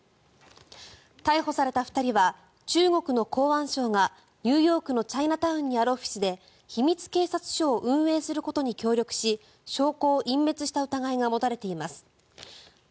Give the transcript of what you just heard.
逮捕された２人は中国の公安部がニューヨークのチャイナタウンにあるオフィスで秘密警察署を運営することに協力しユーチューバー！